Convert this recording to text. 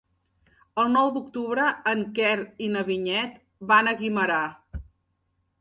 El nou d'octubre en Quer i na Vinyet van a Guimerà.